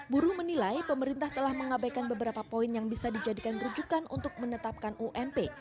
buruh menilai pemerintah telah mengabaikan beberapa poin yang bisa dijadikan rujukan untuk menetapkan ump